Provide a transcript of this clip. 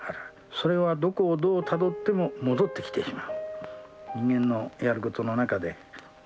それはどこをどうたどっても戻ってきてしまう。